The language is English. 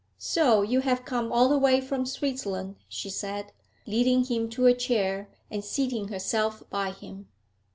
'So you have come all the way from Switzerland,' she said, leading him to a chair, and seating herself by him.